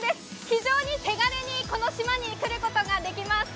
非常に手軽にこの島に来ることができます。